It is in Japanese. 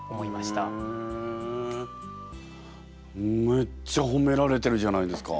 むっちゃほめられてるじゃないですか。